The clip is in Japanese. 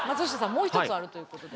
もう一つあるということで。